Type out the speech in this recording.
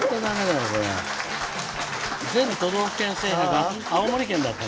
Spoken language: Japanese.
全都道府県制覇が青森県だった。